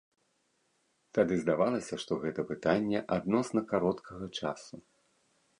Тады здавалася, што гэта пытанне адносна кароткага часу.